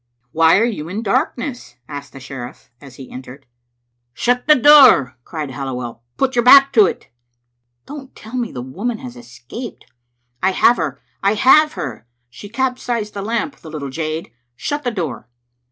" Why are you in darkness?" asked the sheriflE, as he entered. Digitized by VjOOQ IC M Wbc xmie MniBteti "Shut the door," cried Halliwell. "Put youf back to it." " Don't tell me the woman has escaped?" " I have her, I have her! She capsized the lamp, the little jade. Shut the door."